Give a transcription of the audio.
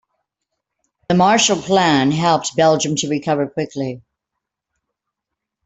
The Marshall Plan, helped Belgium to recover quickly.